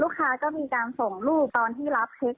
ค้าก็มีการส่งรูปตอนที่รับเช็ค